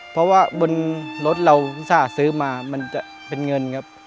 เพราะว่าบนรถเราอุตส่าห์ซื้อมามันจะเป็นเงินครับ